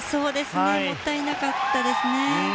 もったいなかったですね。